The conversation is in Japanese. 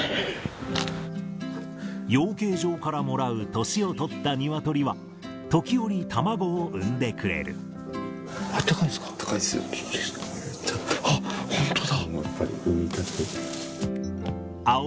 養鶏場からもらう年を取ったニワトリは、時折、卵を産んでくあったかいんですか？